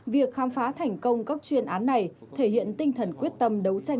việc khám phá thành công các chuyên án này thể hiện tinh thần quyết tâm đấu tranh